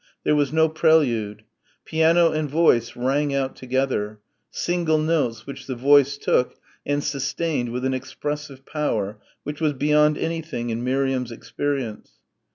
There was no prelude. Piano and voice rang out together single notes which the voice took and sustained with an expressive power which was beyond anything in Miriam's experience.